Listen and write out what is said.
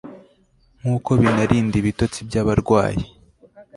Nkuko binarinda ibitotsi byabarwayi